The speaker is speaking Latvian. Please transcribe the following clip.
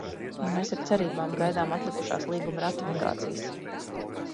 Mēs ar cerībām gaidām atlikušās līguma ratifikācijas.